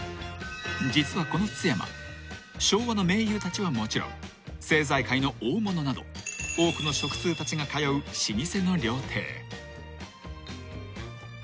［実はこの津やま昭和の名優たちはもちろん政財界の大物など多くの食通たちが通う老舗の料亭］